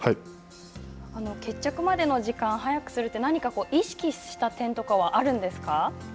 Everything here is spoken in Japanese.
決着までの時間、早くするって何か意識した点とかはあるんですか。